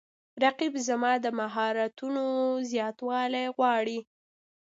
رقیب زما د مهارتونو زیاتوالی غواړي